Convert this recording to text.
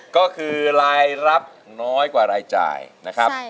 ก็คือรายรับน้อยกว่ารายจ่ายนะครับ